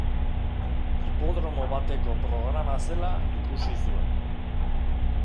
Hipodromo bateko programa zela ikusi zuen.